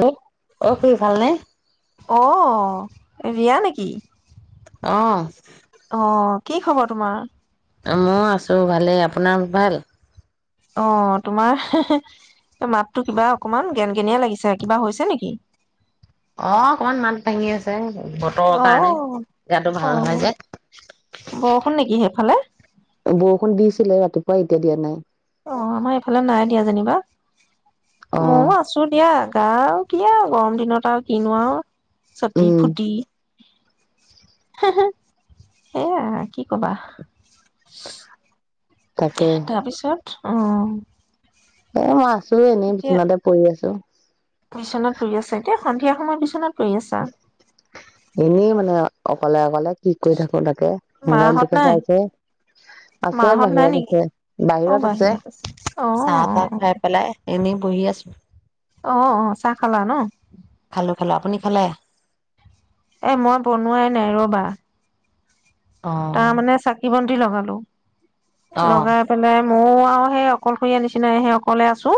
হ অ খুৰি ভালনে? অ বিয়া নেকি? অ অ কি খবৰ তোমাৰ। মই আছো ভালেই, আপোনাৰ ভাল? অ তোমাৰ হে হে মাততো কিবা অকমান গেন গেনিয়ে লাগিছে কিবা হৈছে নেকি? অ অকমান মাত ভাঙি আছে। বতৰৰ কাৰণে অ', গাটো ভাল নহয় অ', যে বৰষুণ নেকি সেইফালে? বৰষুণ দিছিলে ৰাতিপুৱা ম এতিয়া দিয়া নাই। অ আমাৰ এইফালে নাই দিয়া যেনিবা। অ'। ময়ো আছো দিয়া। যা আৰু কি আৰু গৰম দিনত আৰু কিনো আৰু চতি উম, ফুটি সেয়া কি কবা [unintelligible] তাকে তাৰপিছত অ এ মই আছো এনেই এতিয়া বিচনাতে পৰি আছো বিচনাত পৰি আছে এতিয়া সন্ধিয়া সময়ত বিচনাত পৰি আছা? এনেই মানে অকলে অকলে কি কৰি থাকো তাকে মাহঁত মোবাইলটোকে নাই? চাইছে আছে মাহঁত নাই বাহিৰত নেকি? আছে অ', বাহিৰত আছে অ', চাহ অ', তাহ অ'। খাই পেলাই এনে বহি আছো অ অ চাহ খালা ন? খালো আপুনি খালে এ মই বনোৱাই নাই ৰবা। তাৰ অ' মানে চাকি বন্তি লগাম [unintelligible] অ' লগাই পেলাই মোৰ অ সেই অকলশৰীয়া নিচিনাই সেই অকলে আছো।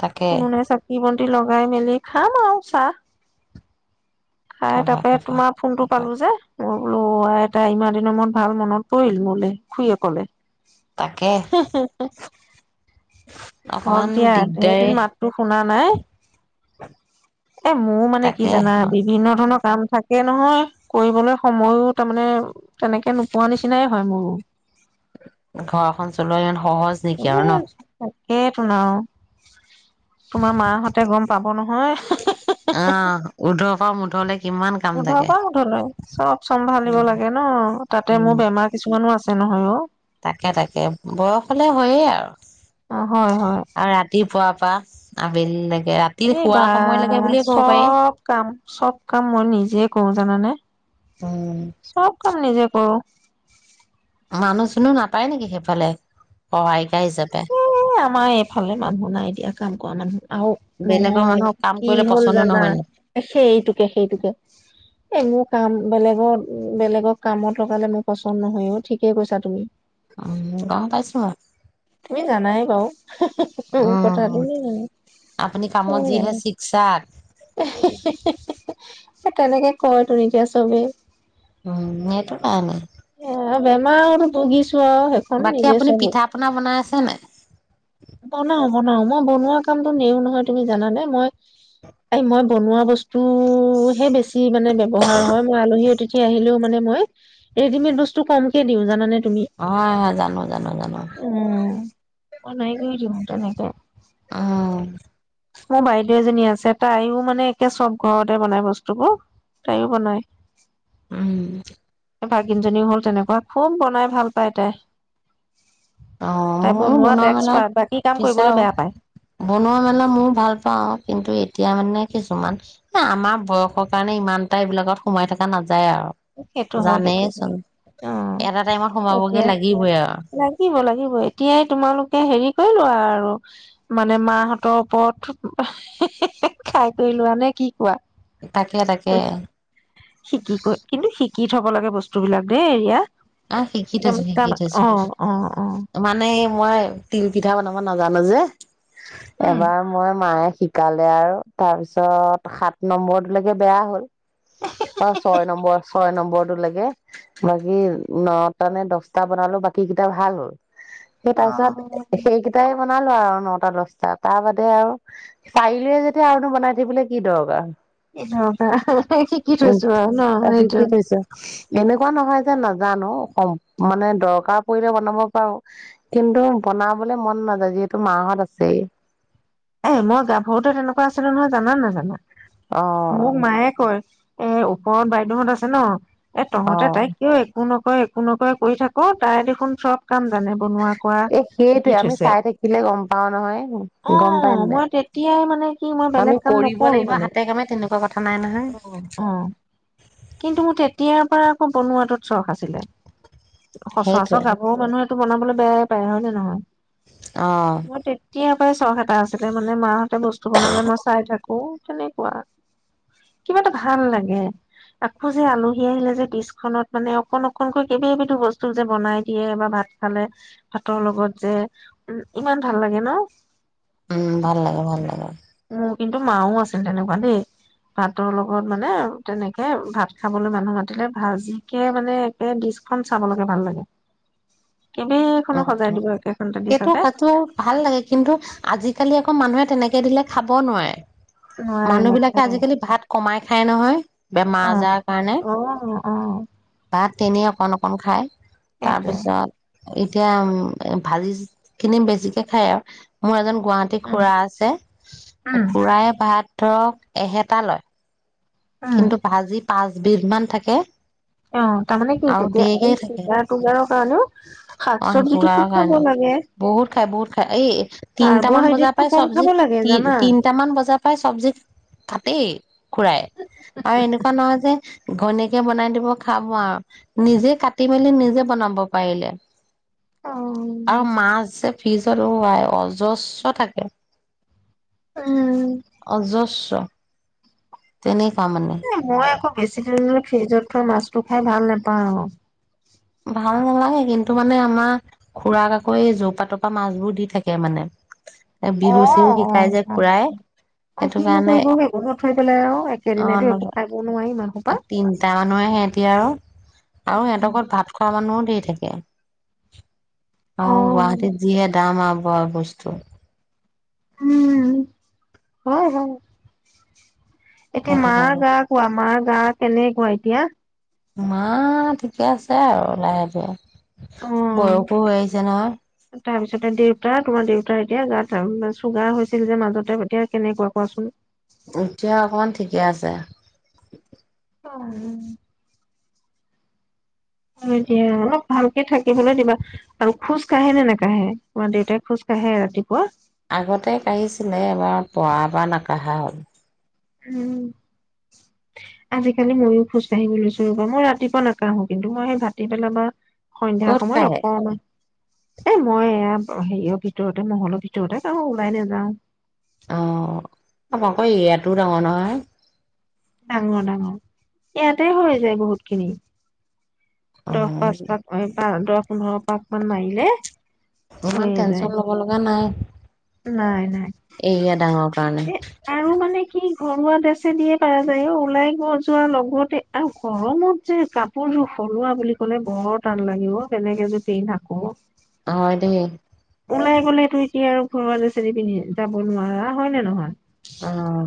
তাকে উনে চাকি বন লগাই মেলি খাম আৰু চাহ খাই, খাবা তাৰপৰা তোমাৰ ফোনটো খাবা। পালোঁ যে, মোৰ ল এটা ইমান দে [unintelligible] মোক ভাল মনত পৰিল মোলে খুড়ীয়ে কলে। তাকে হওক অকমান দিয়া। দিগদাৰে ধেইদিন মাতটো শুনা নাই এ, মোৰ, মানে, কি তাকে জানা, বিভিন্ন ধৰণৰ কাম থাকে নহয়। কৰিবলৈ সময়ো, তাৰমানে, তেনেকে নোপোৱা নিচিনাই হয়, মোৰো ঘৰখন চলোৱাই ন সহজ নেকি আৰু ন? সেইটো ন, তোমাৰ মাহঁতে গম পাব নহয়। অ উৰ্ধৰ পৰা মুধলে কিমান কাম উধ থাকে পা উধলে চব চম্ভালিব উম লাগে ন তাতে মোৰ উম বেমাৰ কিছুমানো আছে। তে নহয়, অ' তাকে তাকে বয়স হলে হয়েই আৰু। অ', হয়-হয়। পুৱা পৰা আবেলিলৈক এই বা চব কাম, চব কাম মই নিজে কৰো জানানে। উম চব কাম নিজে কৰো। মানুহ-চানুহ না পায় নেকি সেইফালে? সহায়িকা হিচাপে এ, আমাৰ এইফালে মানুহ নাই দিয়া, কাম কৰা মানুহ। আৰু বেলেগৰ নহয়, মানুহক কাম কি কৰিলে হ'ল পচন্দো জানা, নহয় ন সেইটোকে, সেইটোকে, এই মোৰ কাম বেলেগৰ বেলেগক কামত লগালে মোৰ পচন্দ নহয়ো, ঠিকেই কৈছা তুমি। উম, গম পাইছোঁ মই তুমি জানাই বাৰু। কথাটো উম আপুনি কামত যিহে চিকচাক [unintelligible] তেনেকে কয় তু এতিয়া চবেই। উম সেইটো কাৰণে অ', বেমাৰত ভুগিছ চোৱা সেইখন নিজে চবুত। হয়নে? ব ন বনাও মই বনোৱা কামতো নেৰো নহয় তুমি জানানে, মই এই মই বনোৱা বস টোহে বেছি মানে ব্যৱহাৰ হয়। মই আলহী অতিত সি আহিলেও মানে মই, ৰেডিমেড বস্তু কমকে দিও জানানে। তুমি। হয় হয়, জানো জানো জানো। নাই গৈ ম ত নাইকে অ'। মোৰ বাইদেউ এজনী আছে তাইও মানে একে চব ঘৰতে বনাই বস্তুবোৰ, তাইও বনায়। উম। ভাগিনজনীও হল তেনেকুৱা, খুব বনাই ভাল পায় তাই অ তাই বনোৱাত বনোৱা মেলোৱাত এক্সপাৰ্ট বাকী কাম কৰিবলৈ বিচাৰো বেয়া পায়। বনোৱা মেলা মোৰ ভাল পাও কিন্তু এতিয়া মানে কিছুমান আ-আমাৰ বয়সৰ কাৰণে ইমান এটা এইবিলাকত সোমাই থকা নাযায় যায় আৰু। সেইটো হয় জানেই সেইটো হয় চোন অ এটা টাইমত সোমাবগে এতিয়া লাগিবই আৰু লাগিব লাগিব এতিয়াই তোমালোকে হেৰি কৰিলোৱা আৰু মানে মাহঁতৰ ওপৰত [unintelligible] খাই কৰি লোৱা নে কি কোৱা? তাকে তাকে শিকি কৰি কিন্তু শিকি থব লাগে বস্তুবিলাক দেই এইয়া আহ শিকি থৈছো-শিকি থৈছো অ অ মানে এইয়া মই তিল পিঠা বনাব নাজানো যে উম এবাৰ মই মায়ে শিকালে আৰু তাৰ পিছত সাত নম্বৰটোলৈকে বেয়া হল অ ছয় নম্বৰ ছয় নম্বৰ বৰ দূৰ লাগে বাকী নটা নে দছটা বনালো বাকী কেইটা ভাল হল সেই অ তাৰ পিছত সেইকেইটাই বনালো আৰু নটা দছটা তাৰ বাদে আৰু চাৰিলুৱে যেতিয়া আৰুনো বনাই থাকিবলৈ কি দৰকাৰ? সেই ৰবা [unintelligible] শিকি উ থৈছো আৰু ন শিকি সেইটো থৈছো এনেকুৱা নহয় যে নাজানো অসম মানে দৰকাৰ পৰিলে বনাব পাৰো কিন্তু বনাবলে মন নাযায় যিহেতু মাহত আছেই এই মই গাভৰুতে তেনেকুৱা আছিলো নহয় জানা নে নাজানা? অ মোক মায়ে কয় এই ওপৰত বাইদেউহত আছে ন এ অ তহঁতে তাইক কিয় একো নক তই একো নকৰে কৰি থাকো তাই দেখোন চব কাম জানে বনোৱা কৰা এ শিকি সেইটোয়ে আমি থৈছে চাই থাকিলে গম পাও নহয়, গম অ পাই নাই মই তেতিয়াই মানে কি মই আমি বেলেগ কাম কৰিব নকৰো লাগিব মানে হাতে কামে তেনেকুৱা কথা নাই নহয়। তো অ কিন্তু মোৰ তেতিয়া তেতিয়া আকৌ বনোৱাটোত চখ আছিলে সচৰাচৰ সেইটোৱে গাভৰু মানুহে ভাতটো বনাবলৈ বেয়াই পায় হয় নে নহয়? অ', মোৰ তেতিয়াৰ পৰাই চখ এটা আছে মনে মনে মাহঁতে বস্তু বনালে মই চাই থাকো অ তেনেকুৱা, কিবা এটা ভাল লাগে আকৌ যে আলহী আহিলে যে দিচখনত মানে অকন অকনকৈ কেইবাবিধো বস্তু যে বনাই দিয়ে বা ভাত খালে ভাতৰ লগত যে উ ইমান ভাল লাগে ন উম ভাল লাগে ভাল লাগে মোৰ কিন্তু মাও আছিল তেনেকুৱা দেই, ভাতৰ লগত মানে তেনেকে ভাত খাবলৈ মানুহ মাতিলে ভাজিকে মানে একে ডিচখন চাবলৈকে ভাল লাগে কেইবেইখনো সজাই অ-অ দিব একেখনতে সেইটো ডিচতে খাতিৰ ভাল লাগে কিন্তু আজিকালি আকৌ অ মানুহে তেনেকে দিলে খাব নোৱাৰে। নোৱাৰে মানুহবিলাকে নেখায় আজিকালি ভাত কমাই হে নহয়। বেমাৰ অ। আজাৰ কাৰণে। অ অ আম খায়। তাৰ সেইটোৱে পিছত এতিয়া উম ভাজিখিনি বেছিকে খাই আৰু মোৰ এজন গুৱাহাটীত উম খুৰা আছে, উম খুৰাই ভাত ধৰক এহেটা লয়। উম কিন্তু ভাজি পাজ দুবিধমান থাকে। অ তাৰ মানে কি আৰু তেতিয়া ধেৰকে থাকে আৰু [unintelligible] কাৰণেও শাক অ', চবজিটো চুগাৰৰ খুব খাব কাৰণে লাগে বহুত খাই বহুত খাই এই তিনটামান বজাৰ কাৰ্বহাইড্ৰেটটো কম খাব লাগে জানা। এ চব্জি কাতেই খুৰাই আৰু এনেকুৱা নহয় যে ঘৈণীয়েকে বনাই দিব খাম আৰু নিজে কাটি মেলি নিজে বনাব পাৰিলে। অ। আৰু মাছ যে ফ্ৰিজ'ত অ' আই অজস্ৰ থাকে। অজস। [unintelligible] তেনে মই আকৌ বেছি দিনলৈ ফ্ৰীজ'ত মাছটো খাই ভাল নাপাওঁ আৰু ভাল নালাগে কিন্তু মানে আমাৰ খুৰাক আকৌ যৌপা তৌপা মাছবোৰ দি থাকে মানে। বিহু অ'-অ' চিহু শিকাই যে খুৰাই সেইটো কিনো কৰিব কাৰণে সেইবোৰ নথৈ পেলাই আৰু অ একেদিনাইটো খাব নোৱাৰি ইমান সোপা। এতিয়া আৰু সিহঁতৰ ঘৰ ভাত মানুহো ধেৰ থাকে। অ অ' গুৱাহাটীত যিহে দাম আৰু খোৱা বস্তু। উম হয়-হয়। এতিয়া সেইটো মা কাৰণে। গা কোৱা মা গা কেনেকুৱা এতিয়া? মা ঠিকে আছে আৰু লাহে ধীৰে। অ। বয়সো হৈ আহিছে নহয়। তাৰপিছতে দেউতা তোমাৰ দেউতাৰ এতিয়া গাত চুগাৰ হৈছিল যে মাজতে এতিয়া কেনেকুৱা কোৱাচোন। এতিয়া অকমান ঠিকে আছে। অ [inaudible] দিয়া [unintelligible] ভালকে থাকিবলৈ দিবা আৰু খোজ কাঢ়ে নে নেকাঢ়ে তোমাৰ দেউতাই খোজ কাঢ়ে ৰাতিপুৱা? আগতে কাঢ়িছিলে, এবাৰ পৰা বা নাকাঢ়া হল। উম, আজিকালি ময়ো খোজ কাঢ়িব লৈছোঁ ৰবা মই ৰাতিপুৱা নাকাঢ়ো কিন্তু মই সেই ভাতি বেলা- সন্ধিয়াৰ ক'ত সময়ত কাঢ়ে অকণমান। এ মই এয়া হেৰিয়ৰ ভিতৰতে মহলৰ ভিতৰতে কৰোঁ, ওলাই নাযাও। অকৌ ইয়াতো ডাঙৰ নহয়- ডাঙৰ ডাঙৰ। ইয়াতে হৈ যায় বহুত খিনি- দহ পাঁচ অ' পচ ম প- সোতৰ পোন্ধৰ পাক মান মাৰিলে- ইমান হৈয়ে যায় টেনচন লব লগা নাই। নাই নাই। এৰিয়া ডাঙৰ কাৰণে এ আৰু মানে- স ঘৰুৱা ড্ৰেছে দিয়ে পাৰ যায় অ ওলাই গ যোৱাৰ লগতে আৰু গৰমত যে কাপোৰযোৰ সলোৱা বুলি কলে বৰ টান লাগে অ বেলেগ এযোৰ পিন্ধ আকৌ। হয় দেই। ওলাই গলেতো এতিয়া আৰু ঘৰুৱা ড্ৰেছ দি পিন্ধি যাব নোৱাৰা হয় নে নহয়। অ'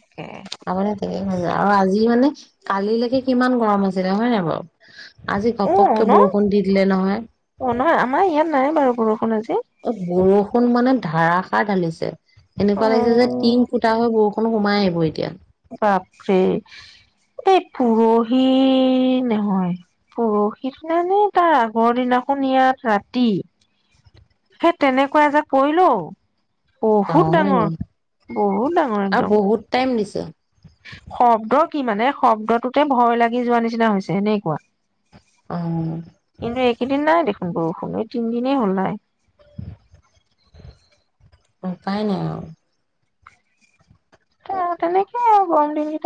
তাকে। আৰ [inaudible] আৰু আজি মানে কালিলৈকে কিমান গৰম আছিলে হয় নাই বাৰু? আজি অ ঘপককে ন বৰষুণ দি দিলে অ নহয়। আমাৰ ইয়াত নাই বাৰু বৰষুণ আজি। অ', বৰষুণ মানে ধাৰাসাৰ ঢালিছে। অ এনেকুৱা লাগিছে যে টিং ফুটা হয় বৰষুণ- সোমাই আহিব এতিয়া। বাপৰে এই পৰহি নহয় পৰহিত মানে তাৰ আগৰ দিনাখন ইয়াত ৰাতি সেই তেনেকুৱা এজাক পৰিল ঔ। বহুত অ' হয় ডাঙৰ নি? বহুত ডাঙৰ একদম। ত [inaudible] শব্দ কি মানে শব্দটোতে ভয় লাগি যোৱা নিচিনা হৈছে এনেকুৱা। অ' কিন্তু একেইদিন নাই দেখোন - বৰষুণে তিন দিনেই হল‌ নাই। উপাই নাই আৰু। ত তেনেকে আৰু গৰম দিন কেটাই।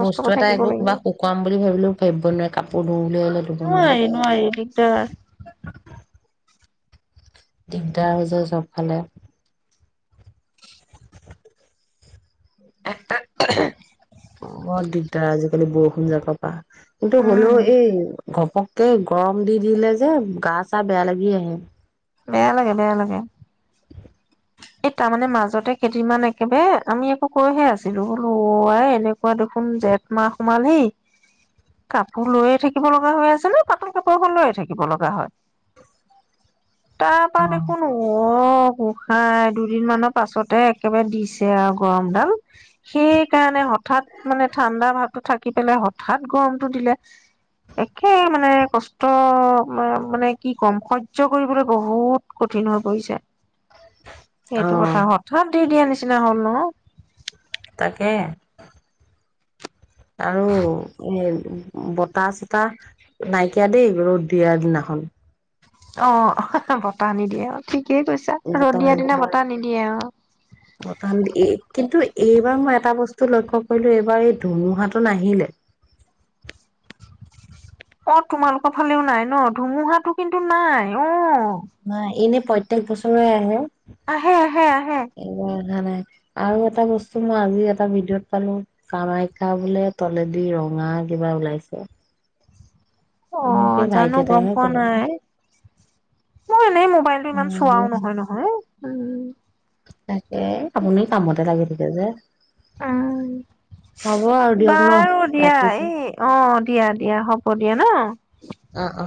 বস্তু এটা একো কিবা শুকুৱাম বুলি ভাবিলেও ভাবিব নোৱাৰাৰে কাপোৰ ধোঁ বুলি ভাবিলেও ধুব নোৱাৰো। নোৱাৰি নোৱাৰি দিগদাৰ দিগদাৰ হয় যে চবফালে। এটা- বহত দিগদাৰ আজিকালি বৰষুণ জাকৰ পৰা। কিন্তু হলেও উম এই ঘপককে গৰম দি দিলে যে গা চা বেয়া লাগি আহে। বেয়া লাগে-বেয়া লাগে। এই তাৰমানে মাজতে কেইদিনমান একেবাৰে আমি আকৌ কৈহে আছিলো বোলো অ' আই, এনেকুৱা দেখোন জেঠ মাহ সোমালহি কাপোৰ লৈয়ে থাকিব লগা হৈ আছে নে? পাতল কাপোৰ এখন লৈয়ে থাকিব লগা হয়। তাৰপা অ'। দেখোন অ উফ! প্ৰায় দুদিন মানৰ পাছতে একেবাৰে দিছে আৰু গৰমডাল সেইকাৰণে হঠাৎ মানে ঠাণ্ডা ভাৱটো থাকি পেলাই হঠাৎ গৰমটো দিলে একে মানে কষ্ট মানে কি কম সহ্য কৰিবলৈ বহুত কঠিন হৈ পৰিছে। এইটো অ' কথা হঠাৎ [unintelligible] দিয়া নিচিনা হ'ল ন? তাকে। আৰু এ বতাহ চতাহ নাইকিয়া দেই ৰদ দিয়াৰ দিনাখন। অ, বতাহ নি দিয়ে অ ঠিক কি কৈছা ৰ'দ বতাহ দিয়াৰ দিনা নাইকিয়া। বতাহ নিদিয়ে আৰু বতাহ এ কিন্তু এইবাৰ মই এটা বস্তু লক্ষ্য কৰিলো এইবাৰ এই ধুমুহাটো নাহিলে। অ তোমালোকৰ ফালেও নাই ন? ধুমুহাটো কিন্তু নাই অ অ- এনে প্ৰত্যেক বছৰে আহে। আহে-আহে-আহে এইবাৰ অহা নাই আৰু এটা বস্তু মই আজি এটা ভিডিঅ'ত পালো কামাখ্যা বোলে তলেদি ৰঙা কিবা ওলাইছে অ মোক এই জানো ভাইটি গম এটাইহে পোৱা কলে নাই। মই এনেই মোবাইলটো ইমান চোৱাও উম নহয়-নহয়। উম নাই এ আপুনি কামতে লাগি থাকে। এইযে আৰু উম দিয়ক ন বাৰু দিয়া ৰাখিছো এই অ দিয়া দিয়া হব দিয়া ন। [unintelligible] অ-অ-